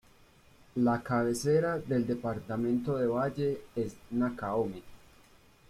La cabecera del Departamento de Valle es Nacaome.